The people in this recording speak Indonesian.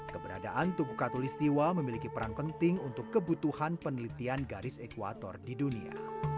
keberadaan tubuh katolistiwa memiliki peran penting untuk kebutuhan penelitian garis ekwator di dunia